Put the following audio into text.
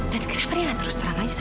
dan kira kira terus terang aja sama